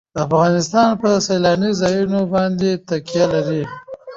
افغانستان په سیلانی ځایونه باندې تکیه لري.